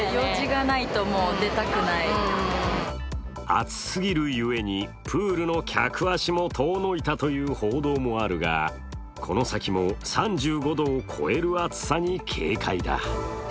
暑すぎるゆえにプールの客足も遠のいたという報道もあるが、この先も３５度を超える暑さに警戒だ。